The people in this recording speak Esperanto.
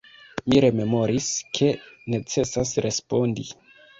Mi rememoris, ke necesas respondi.